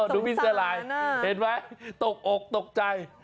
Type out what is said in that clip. ดูวิสลายเห็นไหมตกอกตกใจ